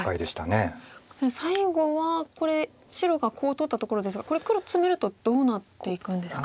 最後はこれ白がコウを取ったところですがこれ黒ツメるとどうなっていくんですか？